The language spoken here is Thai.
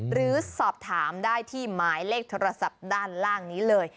หรือสอบถามได้ที่หมายเลขโทรศัพท์ด้านล่างนี้เลย